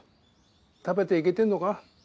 食べていけてるのか？